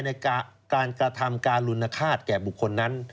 ในการกระทำการลุนฆาตแก่บุคคลนั้น